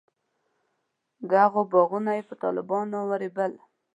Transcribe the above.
د هغوی باغونه یې په طالبانو ورېبل.